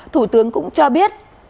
thủ tướng cũng cho biết